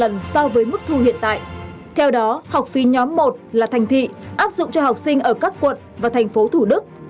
nhóm một là thành thị áp dụng cho học sinh ở các quận và thành phố thủ đức